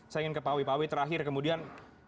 saya ingin ke pak wipawi terakhir kemudian